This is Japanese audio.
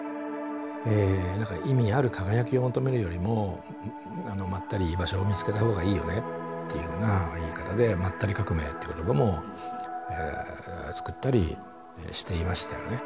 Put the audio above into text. だから意味ある輝きを求めるよりもまったり居場所を見つけたほうがいいよねっていうような言い方で「まったり革命」っていう言葉も作ったりしていましたよね。